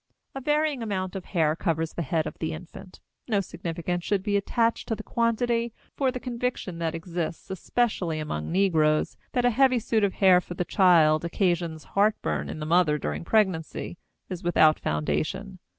A varying amount of hair covers the head of the infant. No significance should be attached to the quantity, for the conviction that exists, especially among negroes, that a heavy suit of hair for the child occasions "heart burn" in the mother during pregnancy is without foundation.